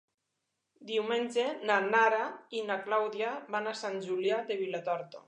Diumenge na Nara i na Clàudia van a Sant Julià de Vilatorta.